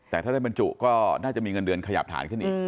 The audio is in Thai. แต่ถ้าได้บรรจุก็น่าจะมีเงินเดือนขยับฐานขึ้นอีก